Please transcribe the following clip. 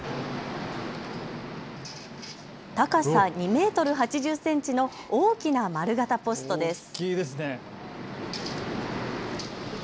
高さ２メートル８０センチの大きな丸型ポストです。